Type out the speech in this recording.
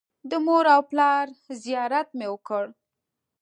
د مور او پلار زیارت مې وکړ.